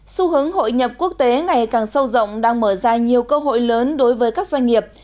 xu hướng hội nhập quốc tế ngày càng sâu rộng đang mở ra nhiều cơ hội lớn đối với các doanh nghiệp